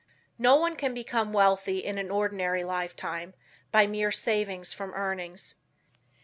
No one can become wealthy in an ordinary lifetime, by mere savings from earnings.